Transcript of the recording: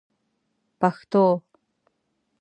پښتو